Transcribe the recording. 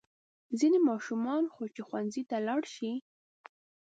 ځینې ماشومان خو چې ښوونځي ته لاړ شي.